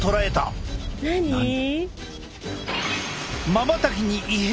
まばたきに異変？